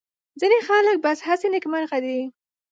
ځینې خلک بس هسې نېکمرغه دي.